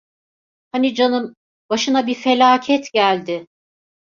Hani canım, başına bir felaket geldi…